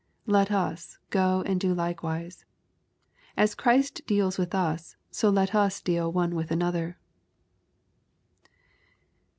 Let us go and do likewise. As Christ deals with us, so let us deal one with another.